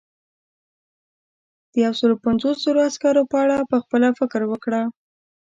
د یو سلو پنځوس زرو عسکرو په اړه پخپله فکر وکړه.